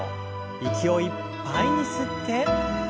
息をいっぱいに吸って。